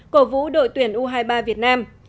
cổ vũ đội tuyển u hai mươi ba việt nam